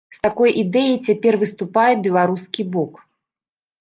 З такой ідэяй цяпер выступае беларускі бок.